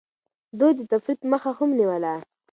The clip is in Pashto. ده د تفريط مخه هم نيوله.